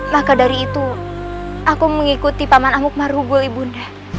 maka dari itu aku mengikuti paman amuk marugul ibu nda